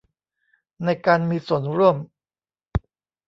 ในการมีส่วนร่วม